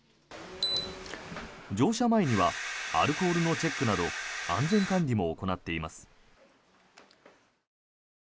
乗車前にはアルコールのチェックなど安全管理も行っています。